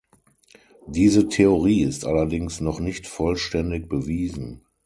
Diese Theorie ist allerdings noch nicht vollständig bewiesen.